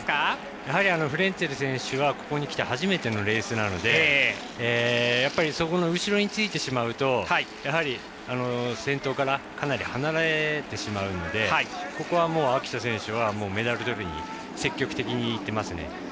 フレンツェル選手はここにきて初めてのレースなのでやっぱり、後ろについてしまうと先頭からかなり離れてしまうのでここは、暁斗選手はメダルというふうに積極的にいってますね。